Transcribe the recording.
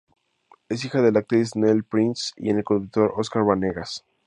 Es hija de la actriz Nelly Prince y el productor Oscar Banegas.